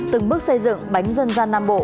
từng bước xây dựng bánh dân gian nam bộ